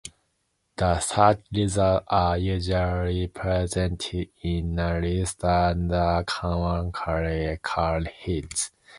The search results are usually presented in a list and are commonly called "hits".